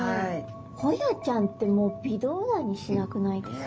ホヤちゃんってもう微動だにしなくないですか？